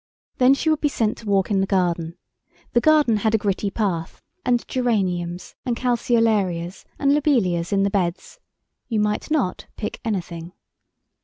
Then she would be sent to walk in the garden—the garden had a gritty path, and geraniums and calceolarias and lobelias in the beds. You might not pick anything.